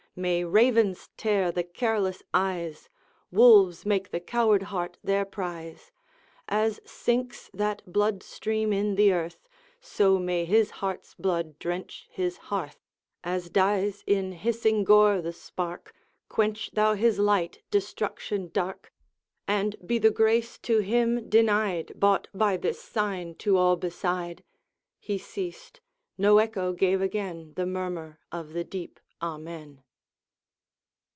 May ravens tear the careless eyes, Wolves make the coward heart their prize! As sinks that blood stream in the earth, So may his heart's blood drench his hearth! As dies in hissing gore the spark, Quench thou his light, Destruction dark! And be the grace to him denied, Bought by this sign to all beside! He ceased; no echo gave again The murmur of the deep Amen.